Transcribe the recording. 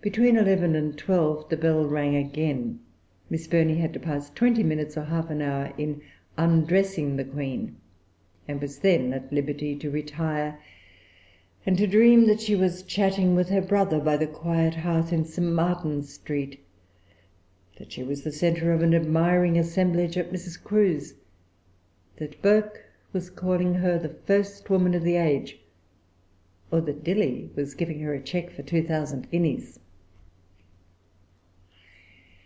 Between eleven and twelve the bell rang again. Miss Burney had to pass twenty minutes or half an hour in undressing the Queen, and was then at liberty to retire and to dream that she was chatting with her brother by the quiet hearth in St. Martin's Street, that she was the centre of an admiring assemblage at Mrs. Crewe's, that Burke was calling her the first woman of the age, or that Dilly was giving her a cheque for two thousand guineas.